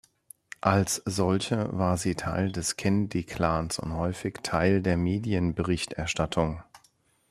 Als solche war sie Teil des Kennedy-Clans und häufig Teil der Medienberichterstattung.